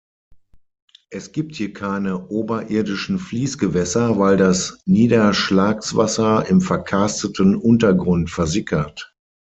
Es gibt hier keine oberirdischen Fließgewässer, weil das Niederschlagswasser im verkarsteten Untergrund versickert.